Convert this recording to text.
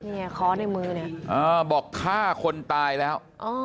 เนี่ยค้อในมือเนี่ยบอกฆ่าคนตายแล้ว